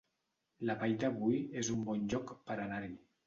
La Vall de Boí es un bon lloc per anar-hi